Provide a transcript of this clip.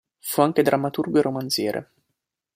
Fu anche drammaturgo e romanziere.